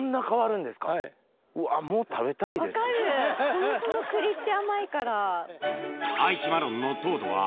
そもそも栗って甘いから。